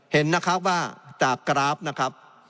เห็นนะครับว่าจากกราฟนะครับ